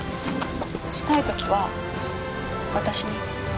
したい時は私に。